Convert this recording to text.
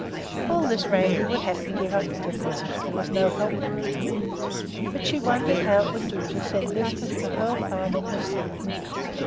All this Randi would have to give up for the present there was no help for it; but she wondered how it would do to send Lisbeth to Hoel Farm in her stead.